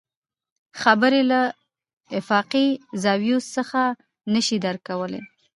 خبرې له افاقي زاويو څخه نه شي درک کولی.